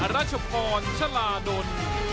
รัชพรชลาดล